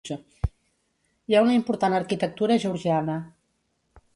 Hi ha una important arquitectura georgiana.